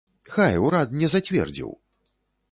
Хай, урад не зацвердзіў!